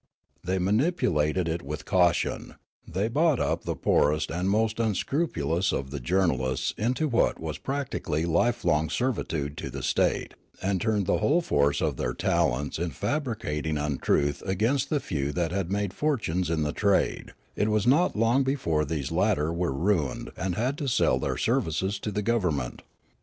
They manipulated it with caution; they bought up the poorest and most unscrupulous of the journalists into what was practically lifelong servitude to the state, and turned the whole force of their talents in fabricat ing untruth against the few^ that had made fortunes in the trade ; it was not long before these latter were ruined and had to sell their services to the govennnent.